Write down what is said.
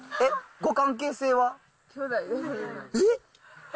ご関係性は。え？